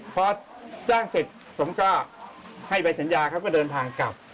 พอจ้างเสร็จผมก็ให้ใบสัญญาเขาก็เดินทางกลับ